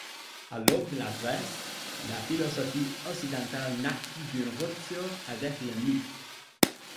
A l’aube de la Grèce, la philosophie occidentale naquit d’une rupture avec le mythe.